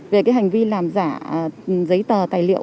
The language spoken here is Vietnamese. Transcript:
về cái hành vi làm giả giấy tờ tài liệu